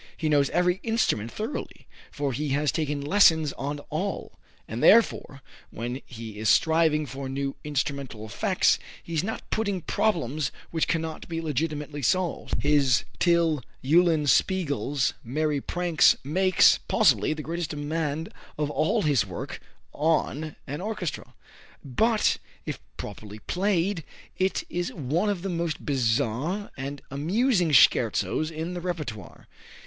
He knows every instrument thoroughly, for he has taken lessons on all; and, therefore, when he is striving for new instrumental effects he is not putting problems which cannot be legitimately solved. His "Till Eulenspiegel's Merry Pranks" makes, possibly, the greatest demand of all his works on an orchestra. But, if properly played, it is one of the most bizarre and amusing scherzos in the repertoire.